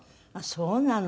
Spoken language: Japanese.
そうなの。